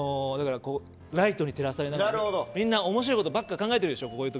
ライトに照らされながらみんな面白いことばっかり考えてるでしょ。